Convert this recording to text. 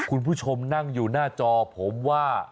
คุณผู้ชมนั่งอยู่หน้าจอผมว่า